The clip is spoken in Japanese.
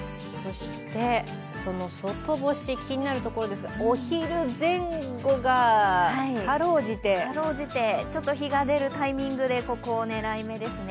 その外干し、気になるところですがお昼前後がかろうじてちょっと日が出るタイミングでここ、狙い目ですね。